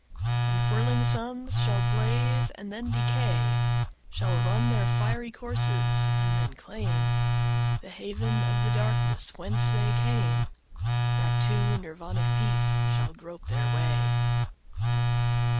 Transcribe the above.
And whirling suns shall blaze and then decay, Shall run their fiery courses and then claimThe haven of the darkness whence they came; Back to Nirvanic peace shall grope their way.